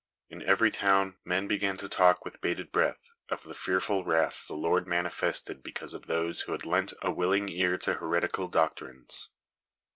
In every town men began to talk, with bated breath, of the fearful wrath the Lord manifested because of those who had lent a willing ear to heretical doctrines.